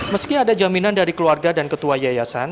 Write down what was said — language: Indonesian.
meski ada jaminan dari keluarga dan ketua yayasan